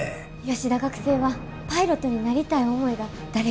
吉田学生はパイロットになりたい思いが誰よりも強くて。